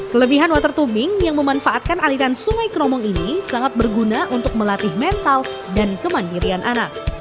kelebihan water tubing yang memanfaatkan aliran sungai kromong ini sangat berguna untuk melatih mental dan kemandirian anak